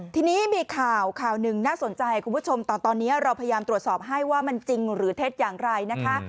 ทีนี้มีข่าวข่าวหนึ่งน่าสนใจคุณผู้ชมตอนนี้เราพยายามตรวจสอบให้ว่ามันจริงหรือเท็จอย่างไรนะคะ